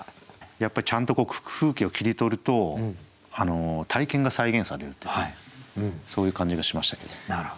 やっぱりちゃんと風景を切り取ると体験が再現されるというかそういう感じがしましたけど。